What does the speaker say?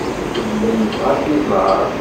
Yella yebɣa ad k-iẓer.